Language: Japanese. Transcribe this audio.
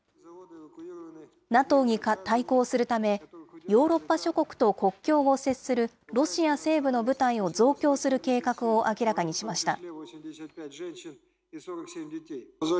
ＮＡＴＯに対抗するため、ヨーロッパ諸国と国境を接するロシア西部の部隊を増強する計画を明らかにしました。